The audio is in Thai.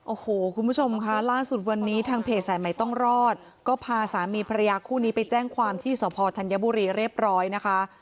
โอ้โหคุณผู้ชมค่ะล่าสุดวันนี้ทางเพจสายใหม่ต้องรอดก็พาสามีภรรยาคู่นี้ไปแจ้งความที่สพธัญบุรีเรียบร้อยนะคะ